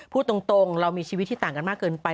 พูดตรงเรามีชีวิตที่ต่างกันมากเกินไป